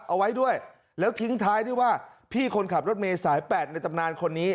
เอาไว้ด้วยแล้วทิ้งท้ายด้วยว่าพี่คนขับรถเมย์สายแปดในตำนานคนนี้